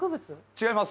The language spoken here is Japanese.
違います